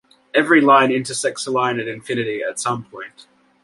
Every line intersects the line at infinity at some point.